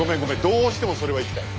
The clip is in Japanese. どうしてもそれは行きたい！